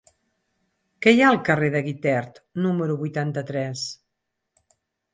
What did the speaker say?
Què hi ha al carrer de Guitert número vuitanta-tres?